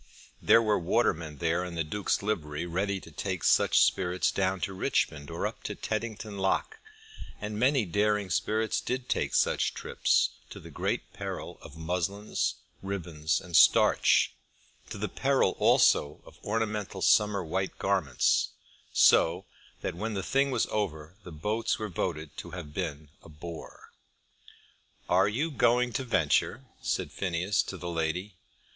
There were watermen there in the Duke's livery, ready to take such spirits down to Richmond or up to Teddington lock, and many daring spirits did take such trips, to the great peril of muslins, ribbons, and starch, to the peril also of ornamental summer white garments, so that when the thing was over, the boats were voted to have been a bore. "Are you going to venture?" said Phineas to the lady.